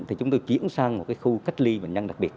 thì chúng tôi chuyển sang một khu cách ly bệnh nhân đặc biệt